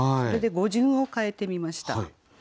それで語順を変えてみました。